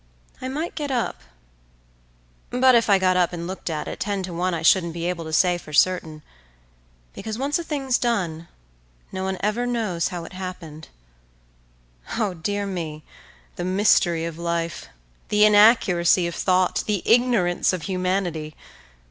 I might get up, but if I got up and looked at it, ten to one I shouldn't be able to say for certain; because once a thing's done, no one ever knows how it happened. Oh! dear me, the mystery of life; The inaccuracy of thought! The ignorance of humanity!